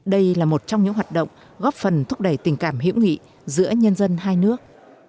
đây là một trong những hoạt động góp phần thúc đẩy tình cảm hữu nghị giữa nhân dân hai nước